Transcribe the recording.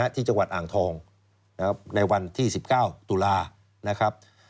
ที่จังหวัดอ่างทองในวันที่๑๙ตุลานะครับ